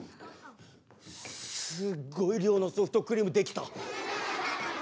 すっごい量のソフトクリーム出来た。